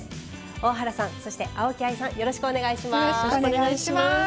大原さん、そして、青木愛さんよろしくお願いします。